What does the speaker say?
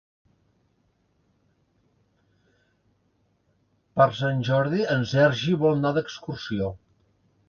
Per Sant Jordi en Sergi vol anar d'excursió.